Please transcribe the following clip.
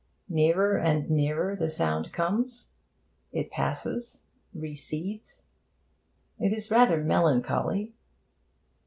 Nearer and nearer the sound comes. It passes, recedes It is rather melancholy....